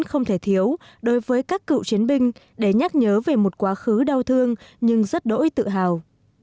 không thể thiếu đối với các cựu chiến binh để nhắc nhớ về một quá khứ đau thương nhưng rất đỗi tự hào